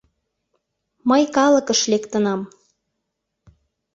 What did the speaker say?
Мый калыкыш лектынам.